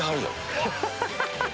ハハハハ！